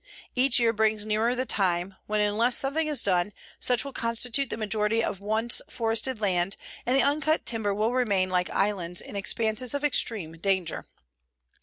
Each year brings nearer the time when, unless something is done, such will constitute the majority of once forested land and the uncut timber will remain like islands in expanses of extreme danger.